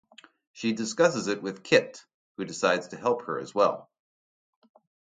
She discusses it with Kit, who decides to help her as well.